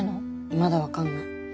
まだ分かんない。